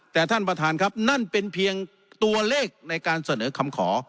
แต่ท่านประธานครับนั่นเป็นเพียงตัวเลขในการเสนอคำขอ